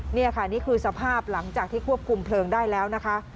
นี่ค่ะนี่คือสภาพหลังจากที่ควบคุมเพลิงได้แล้วนะคะ